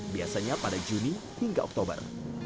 biasanya pada juni hingga oktober